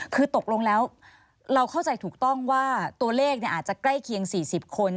คือตกลงแล้วเราเข้าใจถูกต้องว่าตัวเลขอาจจะใกล้เคียง๔๐คน